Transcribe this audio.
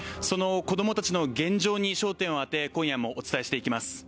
その子供たちの現状に焦点を当て今夜もお伝えしていきます。